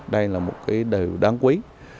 đây là một cái đều đáng quý